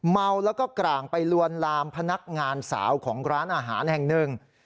เมาแล้วก็กร่างไปลวนลามพนักงานสาวของร้านอาหารแห่งหนึ่ง